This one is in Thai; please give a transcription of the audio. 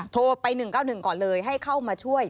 โทรไป๑๙๑ก่อนเลยให้เข้ามาช่วย